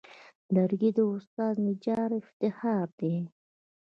لرګی د استاد نجار افتخار دی.